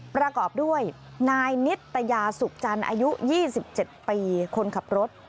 ประกอบด้วยนายนิตยาสุขจันทร์อายุ๒๗ปีคนขับรถ